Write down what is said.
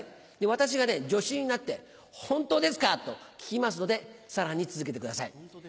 私が助手になって「本当ですか？」と聞きますのでさらに続けてください。